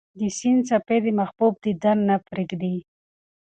د سیند څپې د محبوب دیدن ته نه پرېږدي.